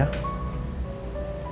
aku pergi dulu sebentar ya